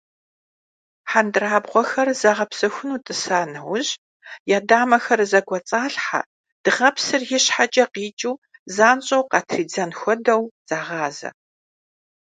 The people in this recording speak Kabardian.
Хьэндырабгъуэхэр загъэпсэхуну тӀыса нэужь, я дамэхэр зэкӀуэцӀалъхьэ дыгъэпсыр ищхьэкӀэ къикӀыу занщӀэу къатридзэн хуэдэу, загъазэ.